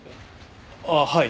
ああはい。